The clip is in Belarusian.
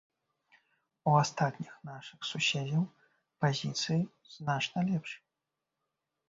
У астатніх нашых суседзяў пазіцыі значна лепш.